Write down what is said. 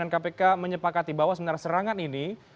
atau juga pimpinan kpk menyepakati bahwa sebenarnya serangan ini